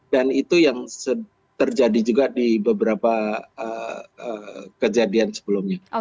dan itu yang terjadi juga di beberapa kejadian sebelumnya